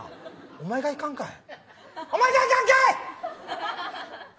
おまえがいかんかい。